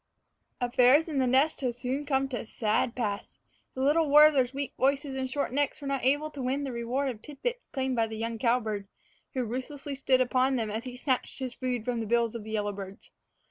Affairs in the nest had soon come to a sad pass. The little warblers' weak voices and short necks were not able to win the reward of tidbits claimed by the young cowbird, who ruthlessly stood upon them as he snatched his food from the bills of the yellowbirds.